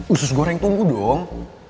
usus goreng tunggu dong